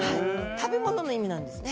食べ物の意味なんですね。